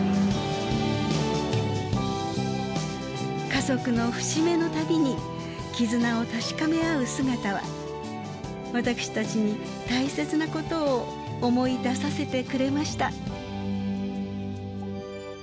家族の節目の度に絆を確かめ合う姿は私たちに大切なことを思い出させてくれました。